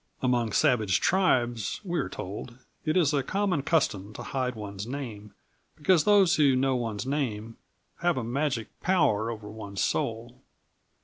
Among savage tribes, we are told, it is a common custom to hide one's name, because those who know one's name have a magic power over one's soul.